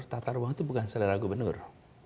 tata ruang itu bukan selera gubernur